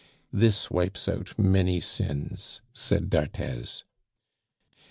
"This wipes out many sins," said d'Arthez.